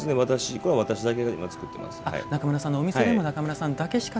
これは私だけが今、作ってます。